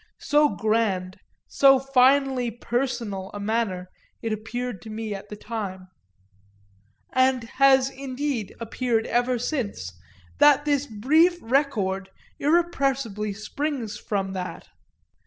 So grand, so finely personal a manner it appeared to me at the time, and has indeed appeared ever since, that this brief record irrepressibly springs from that.